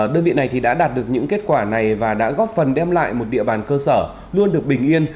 đơn vị này đã đạt được những kết quả này và đã góp phần đem lại một địa bàn cơ sở luôn được bình yên